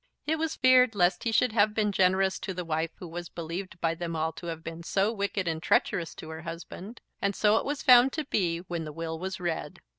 It was feared lest he should have been generous to the wife who was believed by them all to have been so wicked and treacherous to her husband; and so it was found to be when the will was read.